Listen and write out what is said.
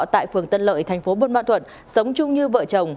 tại phường tân lợi thành phố bôn ma thuận sống chung như vợ chồng